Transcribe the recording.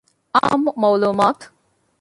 އާންމު މަޢުލޫމާތު